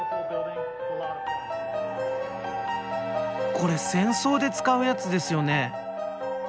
これ戦争で使うやつですよね？